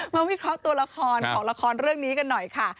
วิเคราะห์ตัวละครของละครเรื่องนี้กันหน่อยค่ะ